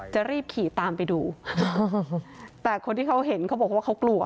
จะรีบขี่ตามไปดูแต่คนที่เขาเห็นเขาบอกว่าเขากลัว